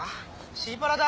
シーパラだ？